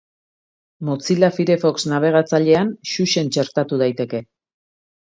Mozilla Firefox nabigatzailean Xuxen txertatu daiteke.